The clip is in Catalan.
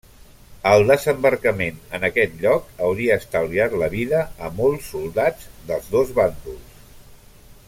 El desembarcament en aquest lloc hauria estalviat la vida a molts soldats dels dos bàndols.